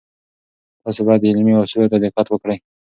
تاسې باید د علمي اصولو ته دقت وکړئ.